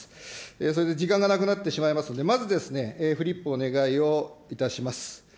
それで時間がなくなってしまいますので、まずですね、フリップをお願いをいたします。